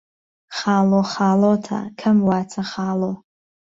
خاڵۆخاڵۆته کهم واچه خاڵۆ